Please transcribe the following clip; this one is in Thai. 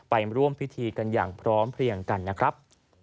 ไปร่วมพิธีกันอย่างพร้อมเพลียงกันนะครับ